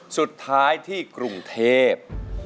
สุดท้ายที่กรุงเทพ